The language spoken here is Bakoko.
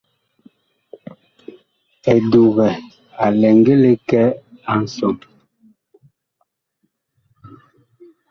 Edukɛ a lɛ ngili kɛ a nsɔn.